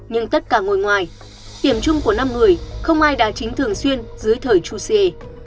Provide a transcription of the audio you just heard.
nhưng tất cả ngồi ngoài tiểm chung của năm người không ai đã chính thường xuyên dưới thời chu xie